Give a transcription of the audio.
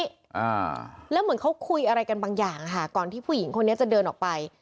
อ่าแล้วเหมือนเขาคุยอะไรกันบางอย่างค่ะก่อนที่ผู้หญิงคนนี้จะเดินออกไป